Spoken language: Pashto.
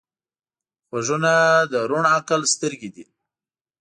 غوږونه د روڼ عقل سترګې دي